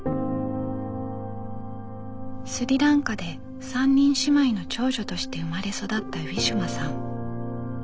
スリランカで３人姉妹の長女として生まれ育ったウィシュマさん。